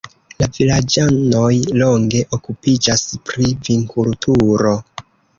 La vilaĝanoj longe okupiĝas pri vinkulturo.